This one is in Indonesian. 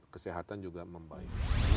kesehatan juga membaik